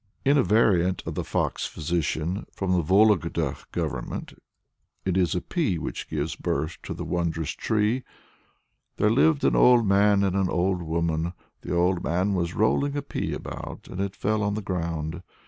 In a variant of the "Fox Physician" from the Vologda Government, it is a pea which gives birth to the wondrous tree. "There lived an old man and an old woman; the old man was rolling a pea about, and it fell on the ground.